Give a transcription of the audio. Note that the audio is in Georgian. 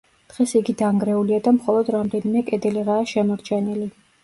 დღეს იგი დანგრეულია და მხოლოდ რამდენიმე კედელიღაა შემორჩენილი.